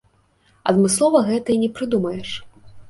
Адмыслова гэтага і не прыдумаеш.